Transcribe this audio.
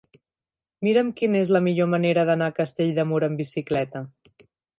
Mira'm quina és la millor manera d'anar a Castell de Mur amb bicicleta.